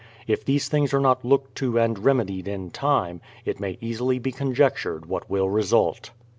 If these things are not looked to and remedied in time, it may easily be conjectured what will result.